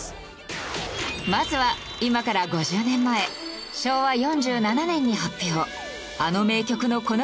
まずは今から５０年前昭和４７年に発表。